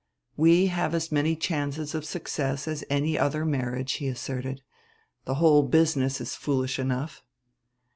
"We have as many chances of success as any other marriage," he asserted. "The whole business is foolish enough."